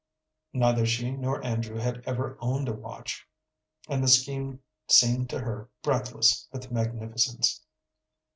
Neither she nor Andrew had ever owned a watch, and the scheme seemed to her breathless with magnificence.